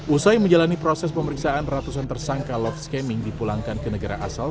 usai menjalani proses pemeriksaan ratusan tersangka love scaming dipulangkan ke negara asal